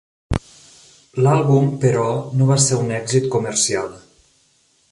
L'àlbum, però, no va ser un èxit comercial.